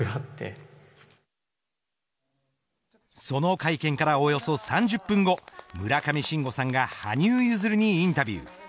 その会見からおよそ３０分後村上信五さんが羽生結弦にインタビュー。